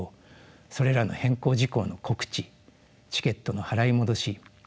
それらの変更事項の告知チケットの払い戻し再発売